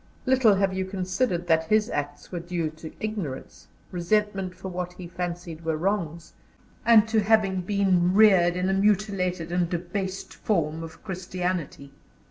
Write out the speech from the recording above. Little have you considered that his acts were due to ignorance, resentment for what he fancied were wrongs, and to having been reared in a mutilated and debased form of Christianity.